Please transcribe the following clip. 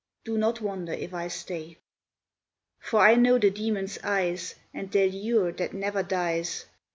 Do not wonder if I stay. For I know the Demon's eyes, And their lure that never dies.